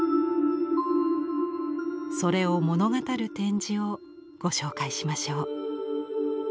それを物語る展示をご紹介しましょう。